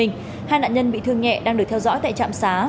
hai nạn nhân bị thương nhẹ đang được theo dõi tại trạm xá